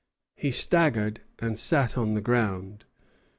He staggered, and sat on the ground.